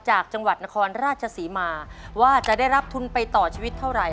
จากจังหวัดนครราชศรีมาว่าจะได้รับทุนไปต่อชีวิตเท่าไหร